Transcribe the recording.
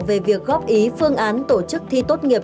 về việc góp ý phương án tổ chức thi tốt nghiệp